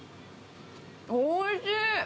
おいしい！